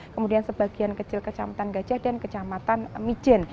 kemudian sebagian kecil kecamatan gajah dan kecamatan mijen